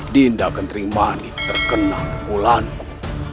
dindakan terimani terkena pukulanku